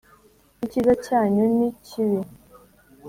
icyiza cyanyuni kibi